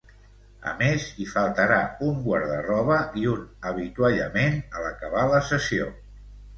A més, hi faltarà un guarda-roba i un avituallament a l'acabar la sessió.